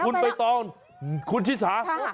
คุณไปต่อคุณฮิษา